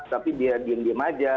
tapi dia diam diam saja